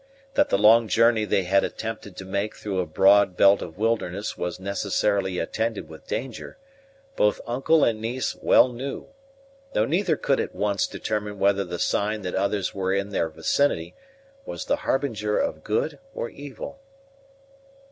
That the long journey they had attempted to make through a broad belt of wilderness was necessarily attended with danger, both uncle and niece well knew; though neither could at once determine whether the sign that others were in their vicinity was the harbinger of good or evil.